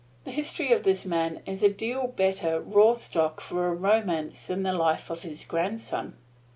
The history of this man is a deal better raw stock for a romance than the life of his grandson.